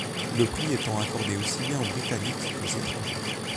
Le prix étant accordé aussi bien aux Britanniques qu'aux étrangers.